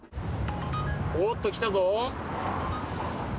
おっときたぞ！